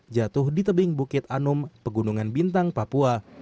jatuh di tebing bukit anum pegunungan bintang papua